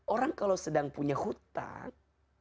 orang kalau sedang punya hutang